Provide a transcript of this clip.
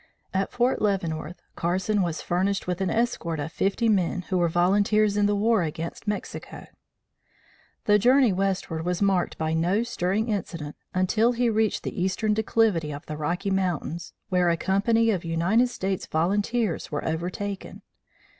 At Fort Leavenworth, Carson was furnished with an escort of fifty men who were volunteers in the war against Mexico. The journey westward was marked by no stirring incident until he reached the eastern declivity of the Rocky Mountains, where a company of United States Volunteers were overtaken.